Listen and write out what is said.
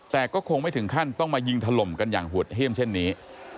แต่ก็คงไม่ถึงขั้นต้องมายิงถล่มกันอย่างหดเยี่ยมเช่นนี้